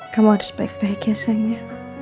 kamu harus baik baik ya sayangnya